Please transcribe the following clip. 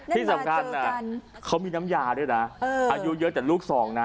ที่สำคัญเขามีน้ำยาด้วยนะอายุเยอะแต่ลูกสองนะ